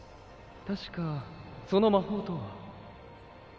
確かその魔法とは